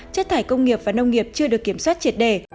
chất thải công nghiệp và nông nghiệp chưa được kiểm soát triệt đề